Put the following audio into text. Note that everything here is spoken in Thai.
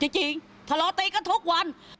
จริงถดดรอกตีกันทุกวัน